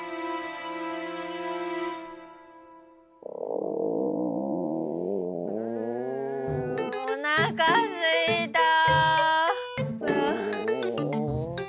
おなかすいた！